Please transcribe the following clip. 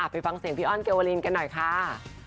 ไปฟังเสียงพี่อ้อนเกวรินกันหน่อยค่ะ